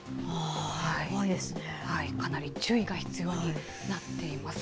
かなり注意が必要になっています。